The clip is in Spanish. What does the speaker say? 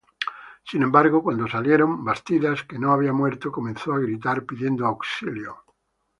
Sin embargo, cuando salieron, Bastidas, que no había muerto, comenzó a gritar pidiendo auxilio.